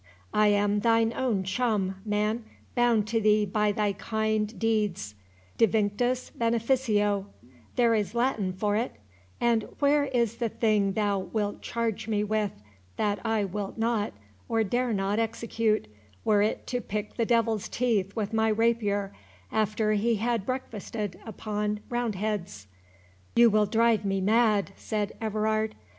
I am thine own chum, man—bound to thee by thy kind deeds— devinctus beneficio—there is Latin for it; and where is the thing thou wilt charge me with, that I wilt not, or dare not execute, were it to pick the devil's teeth with my rapier, after he had breakfasted upon round heads?" "You will drive me mad," said Everard.